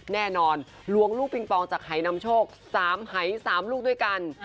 แน่นอนล้วงลูกปิงปองจากไห่น้ำโชค๓หาย๓ลูกด้วยกัน